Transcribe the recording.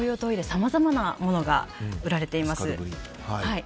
さまざまなものが売られています。